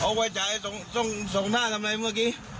โอ้วเวจ่ายส่งท่าทำไงเมื่อกี้